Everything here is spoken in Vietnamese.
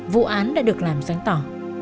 vụ án đã được làm sáng tỏ